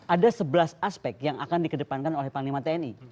ada sebelas aspek yang akan dikedepankan oleh panglima tni